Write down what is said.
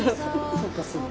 そうかそうか。